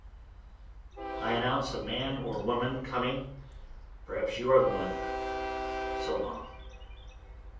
I announce a man or woman coming, perhaps you are the one, (So long!)